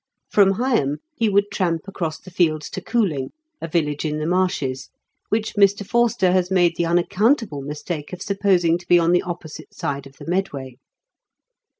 From Higham he would tramp across the fields to Cooling, a village in the marshes, which Mr. Forster has made the unaccountable mistake of supposing to be on the opposite side of the Medway.